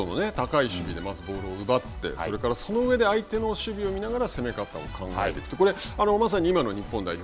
強度の高い守備でまずボールを奪ってそれから、その上で相手の守備を見ながら攻め方を考えていくと。